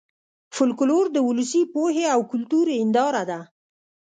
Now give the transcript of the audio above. فولکلور د ولسي پوهې او کلتور هېنداره ده